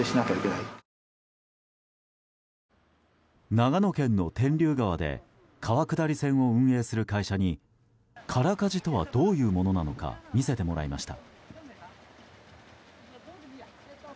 長野県の天竜川で川下り船を運営する会社に空かじとは、どういうものなのか見せてもらいました。